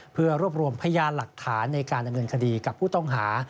เพื่อรวบรวมพยานหลักฐานในการดำเนินคดีกับผู้ต้องหา